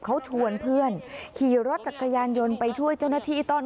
เขาชวนเพื่อนขี่รถจักรยานยนต์ไปช่วยเจ้าหน้าที่ต้อน